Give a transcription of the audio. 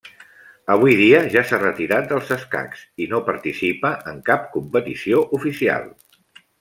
Avui dia ja s'ha retirat dels escacs, i no participa en cap competició oficial.